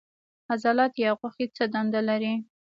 عضلات یا غوښې څه دنده لري